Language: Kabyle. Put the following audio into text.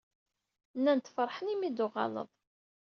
Nnan-d feṛḥen imi i d-tuɣaleḍ.